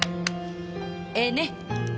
ええね？